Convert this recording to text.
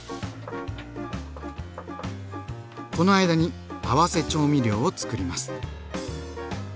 この間に合わせ調味料をつくります。